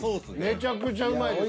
めちゃくちゃうまいです。